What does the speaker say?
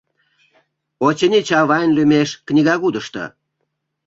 — Очыни, Чавайн лӱмеш книгагудышто.